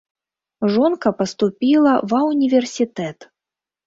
Жонка паступіла ва ўніверсітэт.